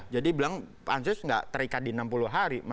jadi bilang pansus tidak terikat di enam puluh hari